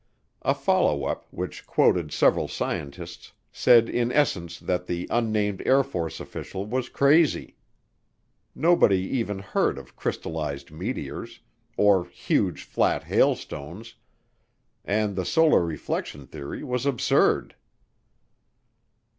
A follow up, which quoted several scientists, said in essence that the unnamed Air Force official was crazy. Nobody even heard of crystallized meteors, or huge, flat hailstones, and the solar reflection theory was absurd.